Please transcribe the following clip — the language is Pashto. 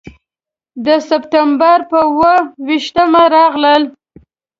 د سپټمبر پر اوه ویشتمه راغلل.